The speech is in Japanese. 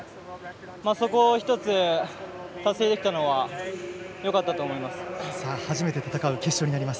そこを１つ、達成できたのはよかったと思います。